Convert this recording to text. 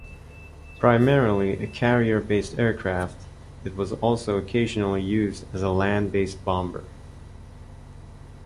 Primarily a carrier-based aircraft, it was also occasionally used as a land-based bomber.